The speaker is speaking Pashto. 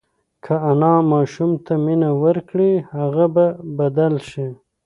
که انا ماشوم ته مینه ورکړي، هغه به بدل شي.